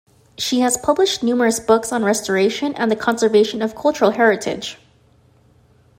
She has published numerous books on restoration and conservation of cultural heritage.